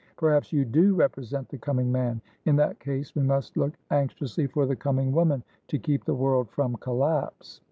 Perhaps you do represent the coming man. In that case, we must look anxiously for the coming woman, to keep the world from collapse.